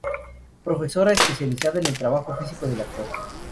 Profesora, especializada en el trabajo físico del actor.